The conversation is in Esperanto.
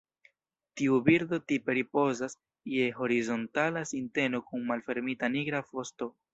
Tiu birdo tipe ripozas je horizontala sinteno kun malfermita nigra vosto.